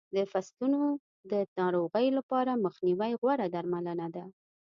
د فصلونو د ناروغیو لپاره مخنیوی غوره درملنه ده.